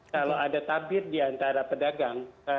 kalau ada tabir diantara pedagang